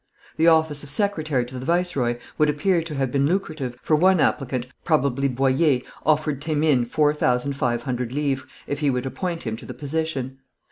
The office of secretary to the viceroy would appear to have been lucrative, for one applicant, probably Boyer, offered Thémines four thousand five hundred livres, if he would appoint him to the position.